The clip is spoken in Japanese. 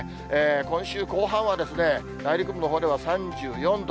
今週後半は、内陸部のほうでは３４度。